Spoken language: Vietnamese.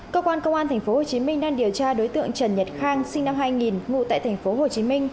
cơ quan công an tp hcm đang điều tra đối tượng trần nhật khang sinh năm hai nghìn ngụ tại tp hcm